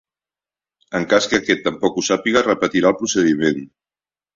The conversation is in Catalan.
En cas que aquest tampoc ho sàpiga repetirà el procediment.